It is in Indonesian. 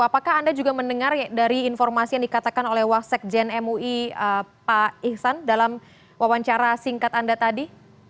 apakah anda juga mendengar dari informasi yang dikatakan oleh wasakjen mui pak ihsan dalam wawancara singkat anda tadi